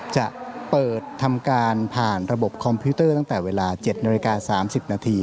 จะเปิดทำการผ่านระบบคอมพิวเตอร์ตั้งแต่เวลา๗นาฬิกา๓๐นาที